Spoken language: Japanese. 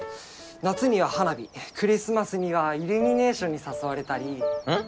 夏には花火クリスマスにはイルミネーションに誘われたりん？